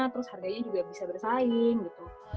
terus harganya juga bisa bersaing gitu